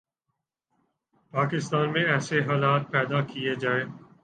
پاکستان میں ایسے حالات پیدا کئیے جائیں